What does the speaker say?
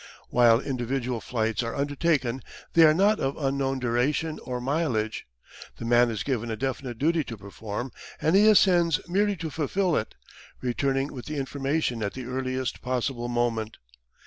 While individual flights are undertaken they are not of unknown duration or mileage. The man is given a definite duty to perform and he ascends merely to fulfil it, returning with the information at the earliest possible moment.